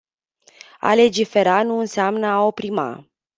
A legifera nu înseamnă a oprima.